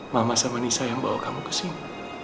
mama sama nisa yang bawa kamu ke sini